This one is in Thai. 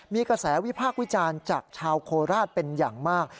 มีกระแสวิพากษ์วิจารณ์จากชาวโคราชเป็นอย่างมาก